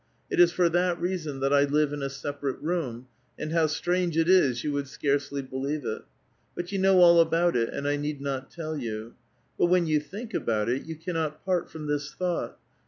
It is for that reason that I live iu a separate room ; and how strange it is, you would scarcely believe it. But you know all about it, and 1 need not tell you. But when you think al)Out it, 3'ou cannot part from this thought.